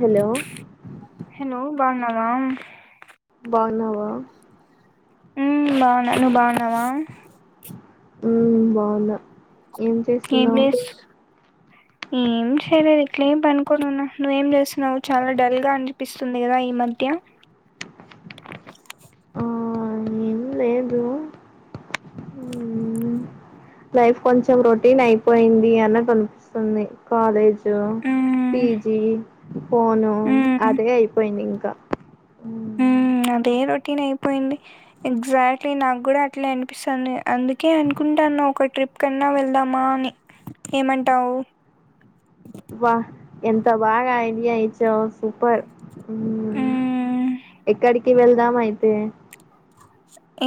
Hello hello బాగున్నావా బాగున్నావా ఉమ్ బాగున్నా నువ్వు బాగున్నావా ఉ బాగున్న ఏం ఏం చేస్తున్నావ్ చేస్ ఏం చేయలేదు ఇట్లేమ్ పనుకోనున్న నువ్వేం చేస్తున్నావు చాలా డల్ గా అనిపిస్తుంది కదా ఈ మధ్య ఆ ఏం లేదు ఉమ్ లైఫ్ కొంచెం రొటీన్ అయిపోయింది, అన్నట్లు అనిపిస్తుంది. కాలేజ్ జూ ఉమ్ పీజీ, ఫోను, అదే అయిపోయింది. ఇం క ఉహ్, అదే రొటీన్ అయిపోయింది. ఎగ్జాక్ట్లీ, నాకు గూడ అనిపిస్తంది. అందుకే అనుకుంటన్నా, ఒక ట్రిప్ కన్నా వెళ్దామా అని ఏమంటావ్? వాహ్ ఎంత బాగా ఐడియా ఇచ్చావ్ సూపర్ ఉహు ఉమ్ ఎక్కడి కి వెళ్దామ అయితే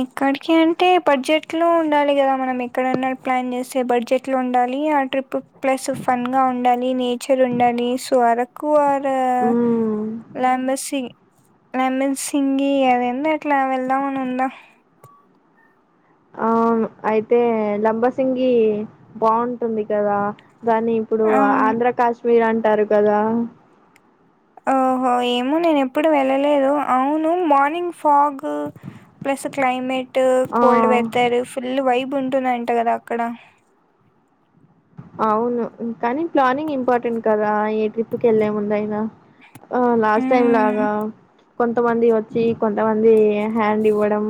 ఎక్కడికంటే బడ్జెట్లో ఉండాలి, గదా? మనం ఎక్కడన్నా ప్లాన్ చేస్తే, బడ్జెట్లో ఉండాలి ఆ ట్రిప్పు. ప్లస్ ఫన్ గా ఉండాలి, నేచర్ ఉండాలి, సో అర కు ఆర్ ఆ ఉమ్ లంబసింగ్ లంబసింగి ఆ రెండిట్లో వెళ్దాం అ నుంద అవును అయితే లంబసింగి బాగుంటుంది. కదా దాన్ని ఇప్పుడు ఆ అవును ఆంధ్ర కాస్ మీరంటారు కదా ఓహో ఏమో నేను ఎప్పుడు వెళ్ళలేదు. అవును మార్నింగ్ ఫాగ్ కు ప్లస్ క్లైమేట్ ఆ cold weather full vibe ఉంటుంది కదా అక్కడ అవును ఇం కానీ ప్లానింగ్ ఇంపార్టెంట్ కదా? ఏ ట్రిప్పు కెళ్ళే ముందు అయిన, ఆ లాస్ట్ టైం మ్మ్ లాగా కొంతమంది వచ్చి, కొంతమంది హ్యాండ్ ఇవ్వడం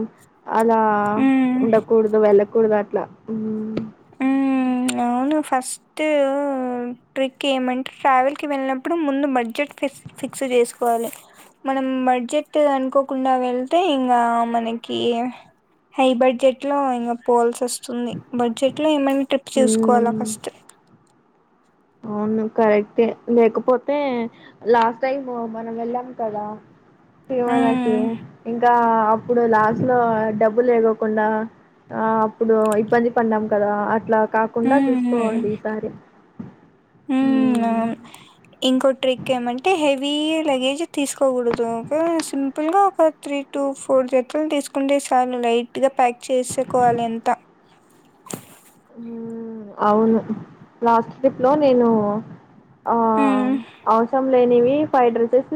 అలా మ్మ్ ఉండకూడదు వాళ్ల. కూడదట్ల మ్మూ మ్మూ అవును, ఫస్ట్ ట్రిక్ ఏమంటే ట్రావెల్ కి వెళ్ళినప్పుడు ముందు బడ్జెట్ ఫిష్ ఫిక్స్ చేసుకోవాలి. మనం బడ్జెట్ అనుకోకుండా వెళ్తే, ఇంగ మనకి హై బడ్జెట్ లో ఇంగ పోవాల్సి వస్తుంది. బడ్జె ట్ ఏమన్ ట్రిప్ చుసుకోవాలా మ్మ్ ఫస్ట్ అవును, కరెక్టే లేకపోతే లాస్ట్ టైము మనం వెళ్ళాం కదా. తిరుమలకి హ్మ్. ఇంకా ఇప్పుడు లాస్ట్ లో డబ్బులు లేకోకుండా అప్పుడు ఇబ్బంది పడ్డాం కదా అట్లా కాకుండా హ్మ్. చూసుకోవాలి ఈసారి హ మ్మ్. అవును ఇంకో ట్రిక్ ఏమంటే హెవీ లగేజ్ తీసుకోకూడదు ఒక సింపుల్గా ఒక త్రీ టు ఫోర్ జత్తలు తీసుకుంటే చాలు లైట్గా ప్యాక్ చేసుకోవాలి అంత మ్మ్. అవును లాస్ట్ ట్రిప్ లో నేను ఆ హ్మ్. అవసరం లేనివి ఫైవ్ డ్రెసెస్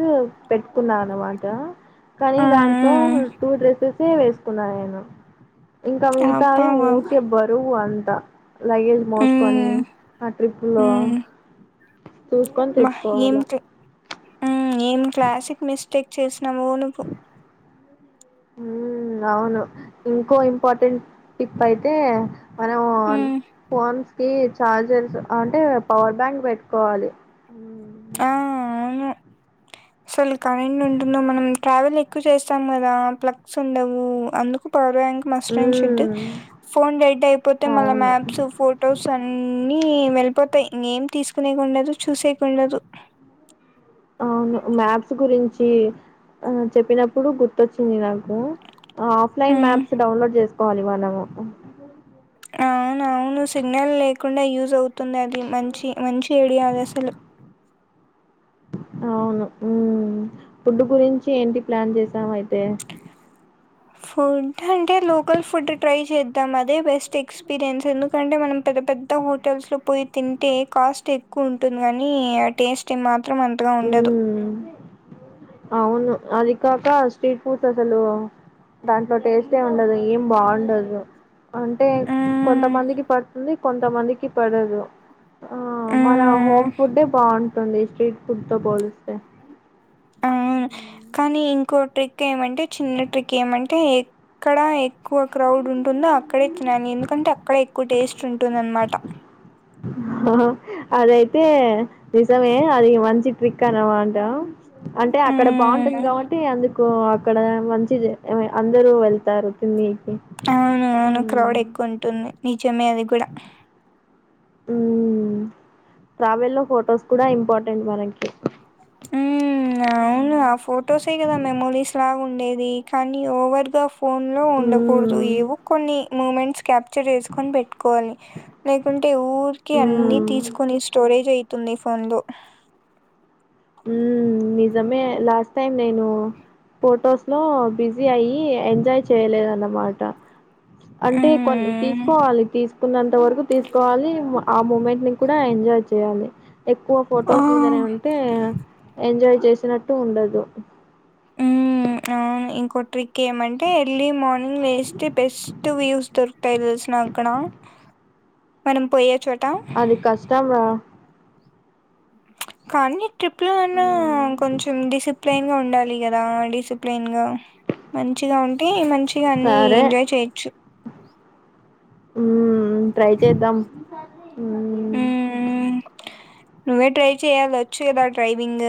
పెట్టుకున్నా అనమాట కానీ దాంట్లో హ్మ్ టూ డ్రెస్సెసే వేసుకున్నా నేను ఇంకా హ్మ్ అబ్బా! మగతాయి ఊరికే బరువు అంతే క్క లగేజ్ మోసుకొని హ్మ్. ఆ ట్రిప్పులో హ్మ్. చూసుకొని ఏం తెచ్చుకోవాల ఆమ్ ఏం క్లాసిక్ మిస్ స్టేక్ చేసు నవో నువ్వు ఉ అవును ఇంకో ఇంపార్టెంట్ టిప్ అయితే మనం హ్మ్. ఫోన్స్ కీ చార్జర్స్ అంటే పవర్ బ్యాంక్ బెట్టుకోవాలి ఆ అవును అసలు కరెంట్ ఉంటుందో మనం ట్రావెల్ ఎక్కువ చేస్తాం గదా ప్లగ్స్ ఉండవు అందుకు power bank must and should హ్మ్. ఫోన్ వెయిట్ అయిపోతే మళ్ల అవును మ్యాప్స్ ఫొటోస్ అన్ని అన్ని వెళ్ళిపోతాయ్ ఏం తీసుకునేకుండదు చూసేకుండదు అవును మ్యాప్స్ గురించి ఆ చెప్పినప్పుడు గుర్తొచ్చింది నాకు ఆఫ్లైన్ హ్మ్. మ్యాప్స్ డౌన్లోడ్ జేస కోవాలి మనము అవునవును సిగ్నల్ లేకుండా యూజ్ అవుతుంది అది మంచి మంచి ఐడియా అది అసలు అవును ఊ ఫుడ్ గురించి ఏంటి ప్లాన్ చేసావ్ అయితే ఫుడ్ అంటే లోకల్ ఫుడ్ ట్రై చేద్ తం అదే బెస్ట్ ఎక్స్పీరియన్స్ ఎందుకంటే మనం పెద్ద పెద్ద హోటల్స్ లో పోయి తింటే కాస్ట్ ఎక్కువ ఉంటుంది కానీ ఆ టేస్ట్ ఏ మా త్రం అంతగా ఉండదు హ్మ్. అవును అది కాక స్ట్రీట్ ఫుడ్స్ అసలు దాంట్లో టేస్టే ఉండదు ఏం బాగుండదు అంటే మ్మ్ కొంతమందికి పడుతుంది కొంతమందికి పడదు ఆ మన మ్మ్ హోమ్ ఫుడ్ బాగు టది స్ట్రీట్ ఫుడ్ తో పోలిస్తే ఆ కానీ ఇంకో ట్రిక్ ఏమంటే చిన్న ట్రిక్ ఏమంటే ఎక్కడ ఎక్కువ క్రౌడ్ ఉంటుందో అ అక్కడే తినను ఎందుకంటే అక్కడ ఎక్ కు టేస్ట్ ఉంటుందన్నమాట అహా అదైతే నిజమే అది మంచి ట్రిక్ అన్నమాట అంటే అక్కడ బాగుంటుంది మ్మ్ కాబట్టి అందు కో అక్కడ మంచి జ, అందరూ వెళ్తారు తిని. అవును అవును, క్రౌడ్ ఎక్కువ ఉంటుంది. చున్నయ్ అవి కూడా. ఉమ్, ట్రావెల్లో ఫొటోస్ కూడా ఇంపార్టెంట్ మనకి. ఉమ్ అవును, ఆ ఫొటోసే గదా మెమోరీస్ లాగుండేది. కనీ ఓవర్గాఫ్ ఫోన్లో ఉండకూడదు, ఉమ్ ఏవో కొన్ని మూమెంట్ క్యాప్చర్ చేసుకొని పెట్టుకోవాలి. లేకుంటే, ఊరికే ఉమ్ అన్ని తీసుకొని స్టోరేజ్ అయి తున్నయ్ ఫోన్ లు. ఉమ్ నిజమే, లాస్ట్ టైం నేను ఫొటోస్ లో బిజీ అయ్యి ఎంజాయ్ చేయలేదన్నమాట. అంటే కొన్ ఉమ్ తీసుకోవాలి, తీస్ కున్నంత వరకు తీసుకోవాలి, ఆ మూమెంట్ ని కూడా ఎంజాయ్ చేయాలి. ఎక్కువ ఆ ఫొటోస్ మీదనే ఉంటే? ఎంజాయ్ చేసినట్టు ఉండదు. ఉమ్ అవును. ఇంకో ట్రిక్ ఏమంటే, ఎర్లీ మార్నింగ్ లేస్తే బెస్ట్ వ్యూస్ దొరుకుతయి తెలిసునా అక్కడ. మనం పోయే చోట్ అది కష్టం రా. కానీ ట్రిప్ లో అన్నా, హ్మ్. కొంచెం డిసిప్లైన్ గా ఉండాలి కద్ గా, డిసిప్లేన్ గా, మంచిగా ఉంటే మంచ్ చిగా అన్ని సరే ఎంజాయ్ చేయొచ్చు. ఉమ్ ట్రై చేద్దాం. మ్మ్ నువ్వే ట్రై చేయాల? వచ్చేదా డ్రైవింగ్?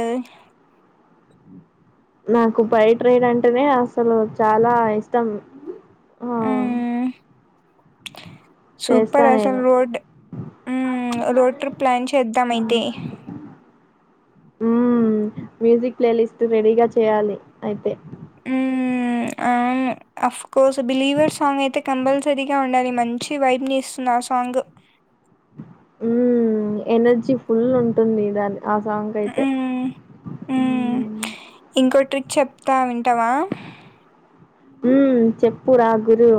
నాకు బైట్ రైడ్ అంటేనే అసలు చాలా ఇష్టం. ఆ మ్మ్ చేస్తా సూపర్ అసలు నేను రోడ్, ఉమ్ రోడ్ ట్రిప్ ప్లాన్ చేద్దాం అయితే? ఉమ్, మ్యూజిక్ ప్లే లిస్ట్ రెడీగా చేయాలి అయితే? ఉమ్ అవును, అఫ్కోర్స్ బిలీవర్ సాంగ్ అయితే, కంపల్సరీగా ఉండాలి. మంచి వైబ్ని ఇస్తుంది ఆ సాంగ్. ఉమ్, ఎనర్జీ ఫుల్ ఉంటుంది దాంది. ఉమ్, ఉమ్ మ్మ్ ఇంకో ట్రిక్ చెప్తా వింటవా? ఉమ్, చెప్పు రా గురు?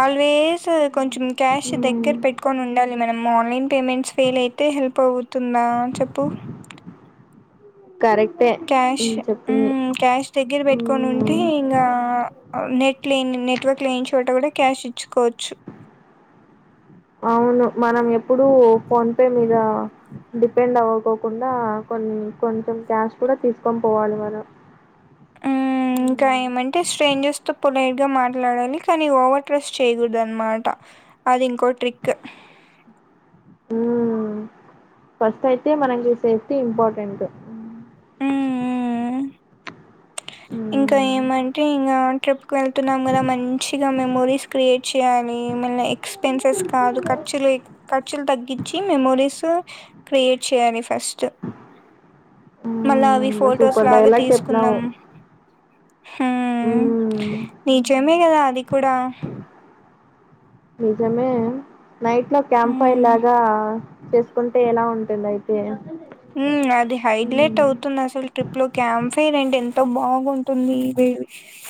ఆల్వేస్ కొంచెం క్యాష్ మ్మ్ దగ్గర పెట్టుకొనుండాలి. ఏమైనా మార్నింగ్? పేమెంట్స్ ఫెయిలైతే హెల్ప్ అవుతుందా చెప్పు. కరెక్టే క్యాష్ మ్మ్ చెప్పింది ఉమ్ క్యాష్ దగ్గర పేట్కోనుంటే మ్మ్ ఇంకా నెట్. క్లీన్ నెట్వర్క్ క్లీన్ చోట కూడా క్యాష్ ఇచ్చుకోచ్చు. అవును మనం ఎప్పుడుూ ఫోన్ పే మీద డిపెండ్ అవకోకుండా కొన్నీ కొంచెం క్యాష్ కూడా తీసుకొని పోవాలి మనం. ఉమ్ ఇంకా మ్మ్ ఏమంటే స్ట్రేంజర్స్ తో పోలేమ్. గా మాట్లాడాలి కానీ ఓవర్ ట్రస్ట్ చైగూడదన్మట అది ఇంకో ట్రిక్. ఉమ్ ఫస్ట్ ఐతే మనకి సేఫ్టీ ఇంపార్టెంట్. మ్మ్ ఇంకా హ్మ్ ఏమంటే ఇంకా ట్రిప్ కు వెళ్తున్నాం గదా మంచిగా మెమోరీస్. క్రియేట్ చేయాల్. ఎక్స్పెన్సెస్ కాదు ఖర్చులు ఖర్చులు తగ్గి. చి మెమోరీస్ క్రియేట్ చేయాలి ఫస్ట్. మళ్ళా అవి హ్మ్ ఫోర్డేస్ లో సూపర్ ఆగి డైలాగ్ తీసుకుందాం. చెప్పినావు. హ్మ్ నిజమే గదా అది కూడా. నిజమే. నైట్ లో హ్మ్. క్యాంపైలాగా. చేసుకుంటే ఎలా ఉంటుంది ఐతే. ఉమ్ అది హైలైట్ అవుతుంది అసలు ట్రిప్ లో క్యాంఫీరెంట్. తో బాగుంటుంది ఇదే.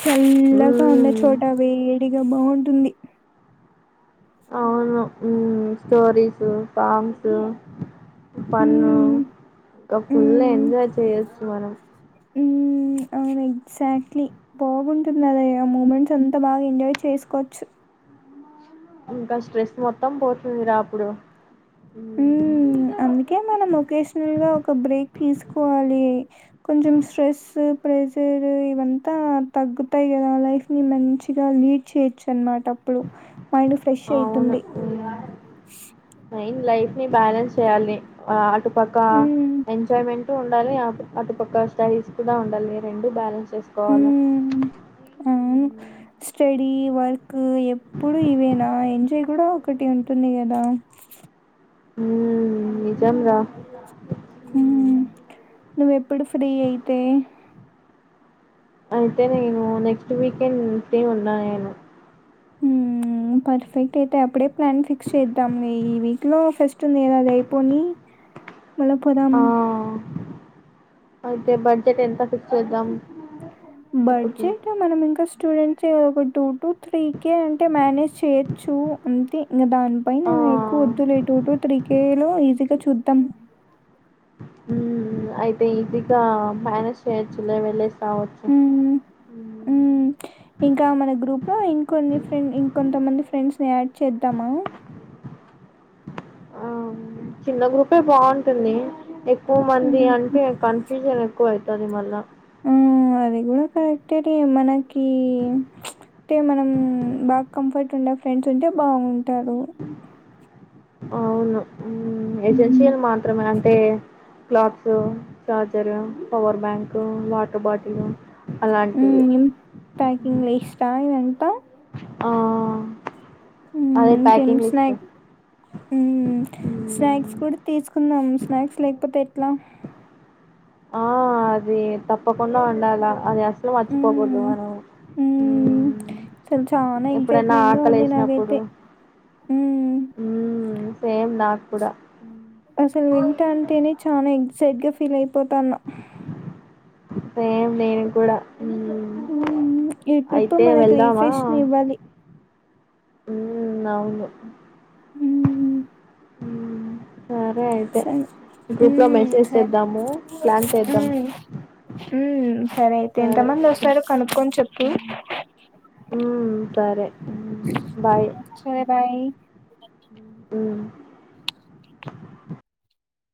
చల్లగా హ్మ్. ఉండచోట వేడి. ఏ బాటుంది. అవును ఉమ్ స్టోరీసు సోంగ్సు. పన్ను హ్మ్. ఇంకా ఫుల్ హ్మ్. ఎంజాయ్ చేయొచ్చు. తూవరం. అవును ఎక్సెక్ట్లీ బాగుంటుంది అదేగా మూమెంట్స్ అంతా బాగా ఎంజాయ్ చేస్కొచ్చు. ఇంకా స్ట్రెస్ మొత్తం పోతుందిరా అప్పుడు. హ్మ్. ఉమ్ అందుకే మనం ఒకేషనల్ గా ఒక బ్రేక్. తీసుకోవాలి కొంచెం స్ట్రెస్ ప్రెజర్ ఇవంతా తగ్గుతైగద లైఫ్ ని మంచిగా లీడ్ చేయొచ్చు అనమాట్. టప్పుడు మైండ్ ఫ్రెష్ అవును. ఐతుంది. నీ బ్యాలెన్స్ చేయాలి ఆ. పక్క హ్మ్. ఎంజాయ్మెంట్. ఉండాలి ఆ అటుపక్క స్టైల్స్ కూడా ఉండాలి రెండ్. డు బ్యాలెన్స్ చేసుకోవాలా. హ్మ్. అవును. Study work. ఎప్పుడు ఇవే నా ఎజ అంటే కూడా ఒకటి ఉంటుంది కదా హ నిజం రా హ నువ్వెప్పుడు ఫ్రీ అయితే అయితేనే నను నెక్స్ట్ నేను నెక్స్ట్ వీక్ ఫ్రీ గా ఉన్న పర్ఫెక్ట్ అయితే అప్పుడే ప్లాన్ ఫిక్స్ చేద్దాం ఈ వీక్ లో ఫస్ట్ ఉంది ఏద అది అయిపోని మల్ల పోదాం ఆ! అయితే బడ్జెట్ ఎంత ఫిక్స్ చేద్దాం ట్రిప్‌కి? బడ్జెట్ మనం ఇంకా స్టూడెంట్స్ ఒక టూ టు త్రీ కే అంటే మేనేజ్ చేయొచ్చు అంతే ఇంకా దాని ప ఆ! ఎక్కువ వద్దులే టటు టటు త్రీ కేలో ఈజీగా చూద్దాం ఉ అయితే ఈజీగా మేనేజ్ చేయొచ్చులే వెళ్లే రావచ్చు మ్మ్ మ్మ్ ఇంకా మన గ్రూప్లో ఇంకొన్ని ఫ్రెండ్ ఇంకొంతమంది ఫ్రెండ్స్ ని యాడ్ చేద్దాము ఆ చిన్న గ్రూపే బాగుంటుంది ఎక్కువ మంది మ్మ్. అంటే కన్ఫ్యూజన్ ఎక్కువ అవుతుంది దాని వల్ల ఆమ్ అది కూడా కరెక్ట్ అది మనకి అంటే మనం బాగా కంఫర్ట్ ఉండే ఫ్రెండ్స్ ఉంటే బాగుంటారు అవును మ్మ్. ఏజెన్సీలు మాత్రమే అంటే clothes, charger, power bank, water bottle అలాంటివి ఊమ్ ప్యాకింగ్ లిస్టు ఇదంతా ఆఆఆ ఊమ్ ఇంకేెం స్నాక్ స్నాక్స్ మ్మ్. కూడా తీసుకుందాం స్నాక్స్ లేకపోతే ఎట్లా ఆ అది తప్పకుండా వండాల అది అసలు మర్చిపోకూడదు హ్మ్. మనం హ్మ్. ఊమ్ అసలు చానా ఎప్పుడన్నా ఎక్సైట్‌మెంట్‌గా ఆటలే ఉంది వేసినప్పుడు నాకైతే. హ్మ్. ఊమ్ సేమ్ నాకు కూడ అసలు వింటా అంటేనే చాలా ఎక్సైట్ గా ఉంది ఫీల్ అయిపోతాన్నా సేం నేను కూడా మ్మ్ ఊమ్ ఈ ట్రిప్ అయితే మనకి రీఫ్రెష్ ని ఇవ్వాలి ఊమ్ అవును హ్మ్. హూమ్ సరే హూమ్ మెసేజ్ సరే చేద్దాము ప్లాన్ చేద్దాం హూమ్ హూమ్ సరే అయితే ఎంత మంది వస్తారో కనుక్కొని చెప్పి హూమ్ సరే బాయ్ సరే బాయ్. హుమ్